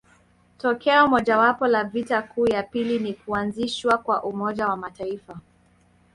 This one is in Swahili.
Tokeo mojawapo la vita kuu ya pili ni kuanzishwa kwa Umoja wa Mataifa.